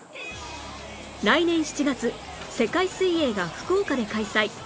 来年７月世界水泳が福岡で開催